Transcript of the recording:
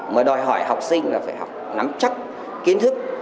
mà đòi hỏi học sinh là phải học nắm chắc kiến thức